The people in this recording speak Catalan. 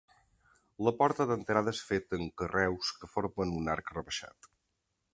La porta d'entrada és feta amb carreus que formen un arc rebaixat.